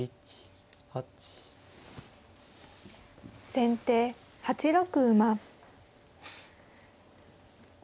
先手８六馬。